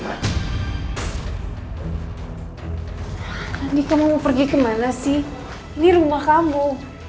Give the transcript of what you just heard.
ini kamu mau pergi kemana sih ini rumah kamu